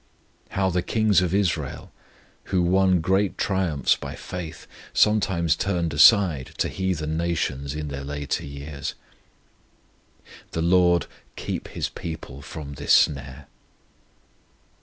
How the Kings of Israel, who had won great triumphs by faith, sometimes turned aside to heathen nations in their later years! The LORD keep His people from this snare.